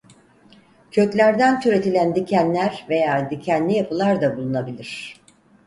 Köklerden türetilen dikenler veya dikenli yapılar da bulunabilir.